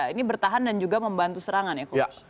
ini bertahan dan juga membantu serangan ya coach